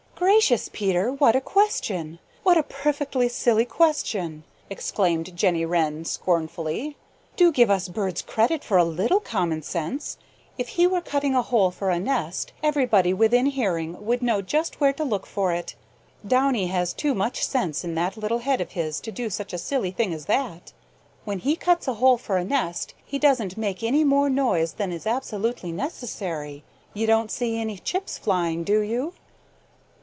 "Gracious, Peter, what a question! What a perfectly silly question!" exclaimed Jenny Wren scornfully. "Do give us birds credit for a little common sense. If he were cutting a hole for a nest, everybody within hearing would know just where to look for it. Downy has too much sense in that little head of his to do such a silly thing as that. When he cuts a hole for a nest he doesn't make any more noise than is absolutely necessary. You don't see any chips flying, do you?"